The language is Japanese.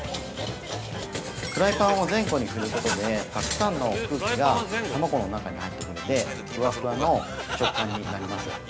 フライパンを前後に振ることでたくさんの空気が卵の中に入ってくれてふわふわの食感になります。